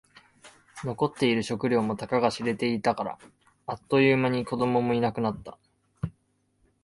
残っている食料もたかが知れていたから。あっという間に子供もいなくなった。